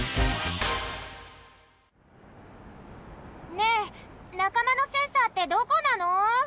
ねえなかまのセンサーってどこなの？